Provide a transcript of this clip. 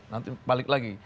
nanti balik lagi